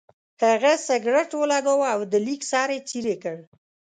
هغه سګرټ ولګاوه او د لیک سر یې څېرې کړ.